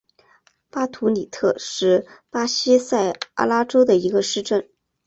巴图里特是巴西塞阿拉州的一个市镇。